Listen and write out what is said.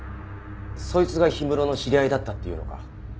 そいつが氷室の知り合いだったっていうのか？